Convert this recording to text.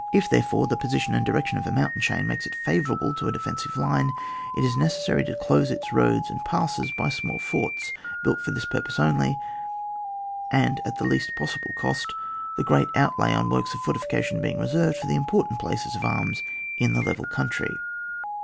If, therefore, the position and direction of a mountain chain makes it favourable to a defensive line, it is necessary to close its roads and passes by small forts, built for this purpose only, and at the least possible cost, the great outlay on works of fortifi cation being reserved for the important places of arms in the level country.